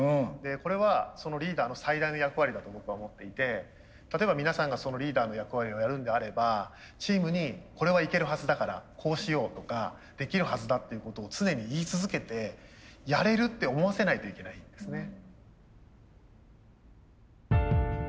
これはリーダーの最大の役割だと僕は思っていて例えば皆さんがリーダーの役割をやるんであればチームに「これはいけるはずだからこうしよう」とかできるはずだっていうことを常に言い続けてやれるって思わせないといけないんですね。